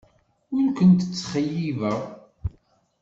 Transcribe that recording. Ur kent-ttxeyyibeɣ.